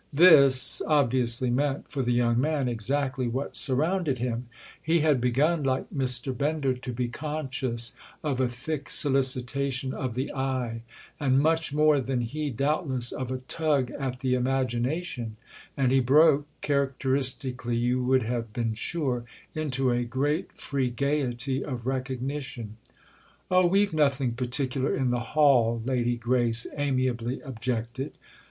"This" obviously meant for the young man exactly what surrounded him; he had begun, like Mr. Bender, to be conscious of a thick solicitation of the eye—and much more than he, doubtless, of a tug at the imagination; and he broke—characteristically, you would have been sure—into a great free gaiety of recognition. "Oh, we've nothing particular in the hall," Lady Grace amiably objected.